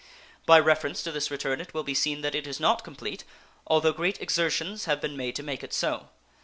By reference to this return it will be seen that it is not complete, although great exertions have been made to make it so.